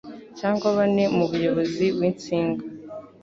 cyangwa bane n'umuyobozi w'insinga